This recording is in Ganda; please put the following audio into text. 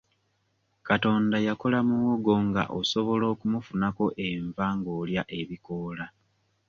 Katonda yakola muwogo nga osobola okumufunako enva ng'olya ebikoola.